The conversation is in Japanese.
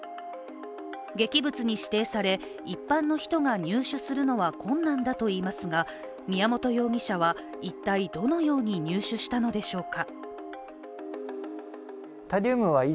劇物に指定され、一般の人が入手するのは困難だといいますが宮本容疑者は一体どのように入手したのでしょうか。